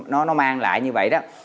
nó mang lại như vậy đó